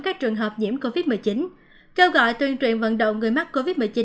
các trường hợp nhiễm covid một mươi chín kêu gọi tuyên truyền vận động người mắc covid một mươi chín